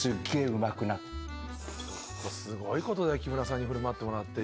すごいことだよ木村さんに振る舞ってもらって。